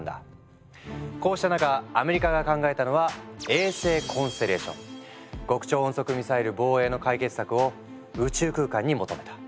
こうした中アメリカが考えたのは極超音速ミサイル防衛の解決策を宇宙空間に求めた。